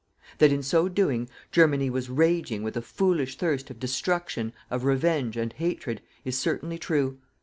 That in so doing, Germany was raging with a foolish thirst of destruction, of revenge and hatred, is certainly true.